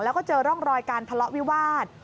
แล้วก็เจอร่องรอยการทะเลาะวิวาส